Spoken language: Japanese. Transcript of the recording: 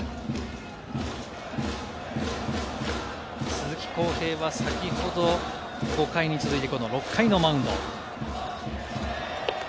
鈴木康平は先ほどの５回に続いて６回のマウンド。